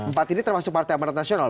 empat ini termasuk partai amarat nasional